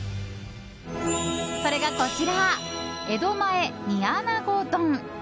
それがこちら江戸前煮穴子丼。